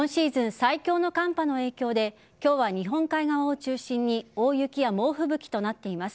最強の寒波の影響で今日は日本海側を中心に大雪や猛吹雪となっています。